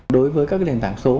đối với các lệnh tảng số